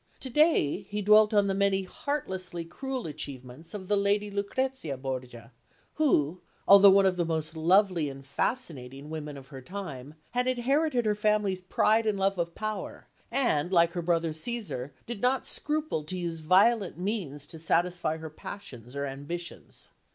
To day, he dwelt on the many heartlessly cruel achievements of the Lady Lucrezia Borgia, who, although one of the most lovely and fascinating women of her time, had inherited her family's pride and love of power, and, like her brother Cæsar, did not scruple to use violent means to satisfy her passions or ambitions.